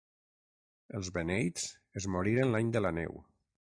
Els beneits es moriren l'any de la neu.